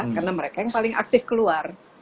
karena mereka yang paling aktif keluar